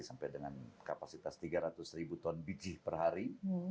sampai dengan kapasitas tiga ratus ribu ton biji per hari